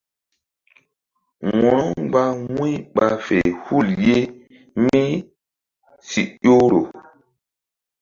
Wo̧ro-u mgba wu̧y ɓa fe hul ye mí si ƴohro.